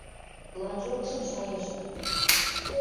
Лачокшым шайыштын.